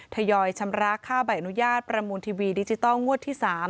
ทยอยชำระค่าใบอนุญาตประมูลทีวีดิจิทัลงวดที่๓